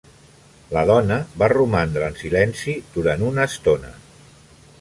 La dona va romandre en silenci durant una estona.